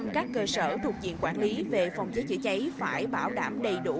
một trăm linh các cơ sở thuộc diện quản lý về phòng cháy chữa cháy phải bảo đảm đầy đủ